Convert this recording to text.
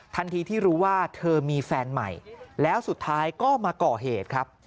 ทันทีที่รู้ว่าเธอมีแฟนใหม่แล้วสุดท้ายก็มาก่อเหตุครับ